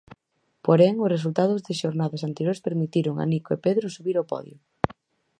Porén, os resultados de xornadas anteriores permitiron a Nico e Pedro subir ao podio.